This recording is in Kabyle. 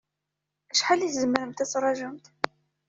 Acḥal i tzemremt ad taṛǧumt?